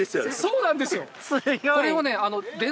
そうなんですよ